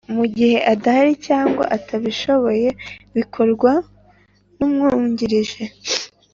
Mugihe adahari cyangwa atabishoboye bikorwa n’umwungirije